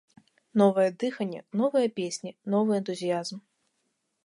Новае дыханне, новыя песні, новы энтузіязм.